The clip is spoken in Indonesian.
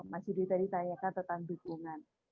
masih ditanyakan tentang dukungan